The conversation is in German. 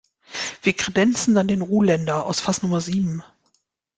Wir kredenzen dann den Ruländer aus Fass Nummer sieben.